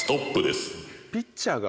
ピッチャーが。